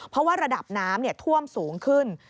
เพราะว่าระดับน้ำท่วมสูงขึ้น